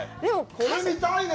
これ、見たいね！